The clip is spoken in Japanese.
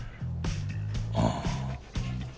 ああ